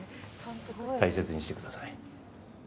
大切にしてください。